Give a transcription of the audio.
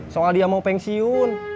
soal dia mau pensiun